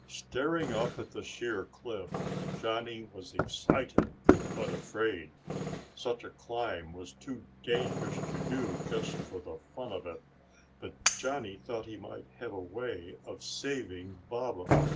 Staring up at the sheer cliff, Johnny was excited, but afraid. Such a climb was too dangerous to do just for the fun of it, but Johnny thought he might have a way of saving Baba.